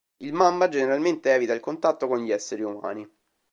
Il mamba generalmente evita il contatto con gli esseri umani.